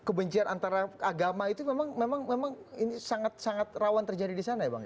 kebencian antara agama itu memang sangat sangat rawan terjadi di sana ya bang